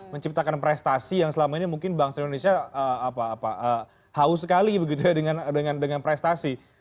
menciptakan prestasi yang selama ini mungkin bangsa indonesia haus sekali begitu ya dengan prestasi